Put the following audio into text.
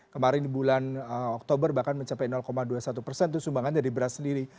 kemarin di bulan oktober bahkan mencapai dua puluh satu persen itu sumbangan dari beras sendiri